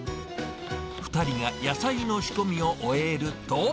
２人が野菜の仕込みを終えると。